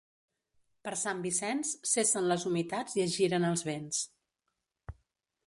Per Sant Vicenç cessen les humitats i es giren els vents.